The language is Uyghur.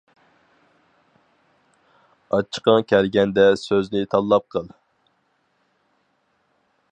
ئاچچىقىڭ كەلگەندە سۆزنى تاللاپ قىل.